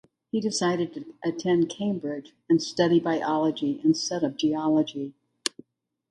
He decided to attend Cambridge and study biology instead of geology.